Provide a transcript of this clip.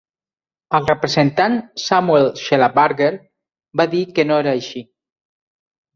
El representant Samuel Shellabarger va dir que no era així.